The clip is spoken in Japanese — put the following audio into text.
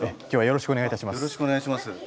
今日はよろしくお願いいたします。